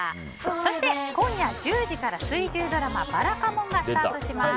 そして今夜１０時から水１０ドラマ「ばらかもん」がスタートします。